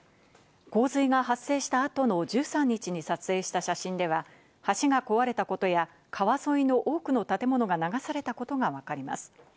洪水が発生した後の１３日に撮影した写真では、橋が壊れたことや、川沿いの多くの建物が流されたことがわかります。